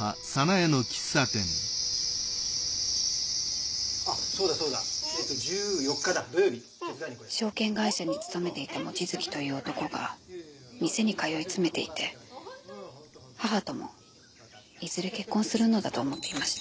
ええと１４日証券会社に勤めていた望月という男が店に通いつめていて母ともいずれ結婚するのだと思っていました。